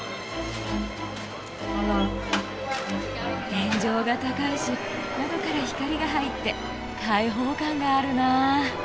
天井が高いし窓から光が入って開放感があるなぁ！